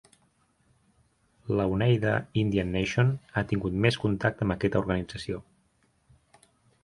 La Oneida Indian Nation ha tingut més contacte amb aquesta organització.